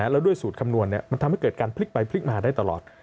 แล้วด้วยสูตรคำนวณมันทำให้เกิดการพลิกไปพลิกมาได้ตลอด